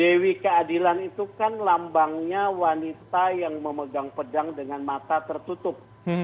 dewi keadilan itu kan lambangnya wanita yang memegang pedang dengan mata tertutup